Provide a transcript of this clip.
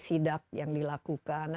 sidak yang dilakukan